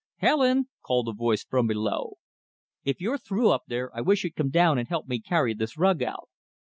"Helen!" called a voice from below, "if you're through up there, I wish you'd come down and help me carry this rug out."